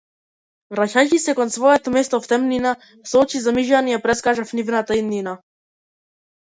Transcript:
Враќајќи се кон своето место в темнина, со очи замижани ја претскажав нивната иднина.